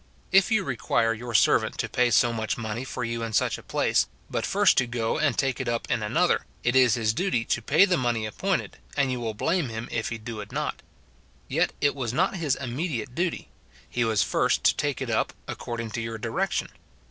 If you require your servant to pay so much money for you in such a place, but first to go and take it up in an other, it is his duty to pay the money appointed, and you will blame him if he do it not ; yet it was not his imme diate duty, — he was first to take it up, according to your direction.